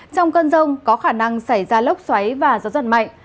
trong cơn rông có khả năng xảy ra lốc xoáy và gió giật mạnh